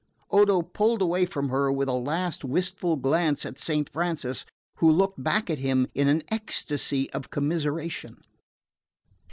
Odo pulled away from her with a last wistful glance at Saint Francis, who looked back at him in an ecstasy of commiseration.